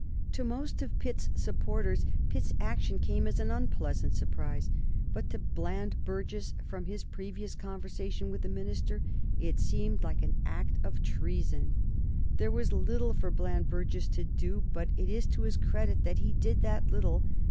To most of Pitt's supporters Pitt's action came as an unpleasant surprise; but to Bland Burges, from his previous conversation with the minister, it seemed like an act of treason. There was little for Bland Burges to do, but it is to his credit that he did that little.